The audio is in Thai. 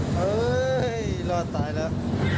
เฮ้ยรอดตายแล้ว